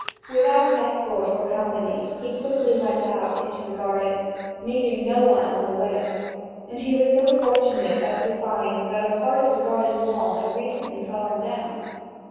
Without escort or company he quickly went out into the garden, meeting no one on the way, and he was so fortunate as to find that a part of the garden wall had recently fallen down.